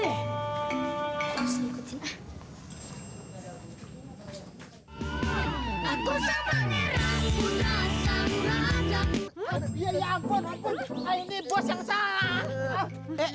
ini bos yang salah